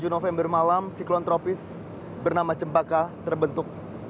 tujuh november malam siklon tropis bernama cempaka terbentuk